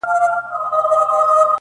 حیوانان یې وه بارونو ته بللي؛